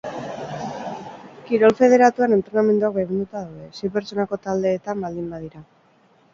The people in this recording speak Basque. Kirol federatuan entrenamenduak baimenduta daude, sei pertsonako taldeetan baldin badira.